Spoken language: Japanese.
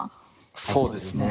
そうですね。